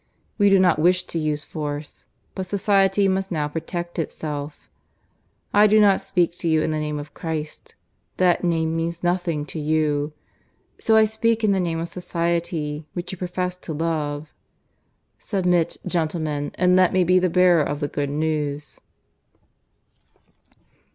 We do not wish to use force; but society must now protect itself. I do not speak to you in the name of Christ; that name means nothing to you. So I speak in the name of society, which you profess to love. Submit, gentlemen, and let me be the bearer of the good news."